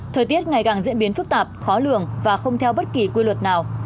thời tiết ngày càng diễn biến phức tạp khó lường và không theo bất kỳ quy luật nào